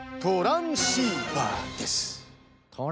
トランシーバー？